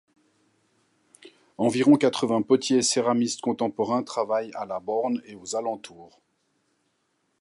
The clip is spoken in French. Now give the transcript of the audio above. Environ quatre-vingts potiers et céramistes contemporains travaillent à La Borne et aux alentours.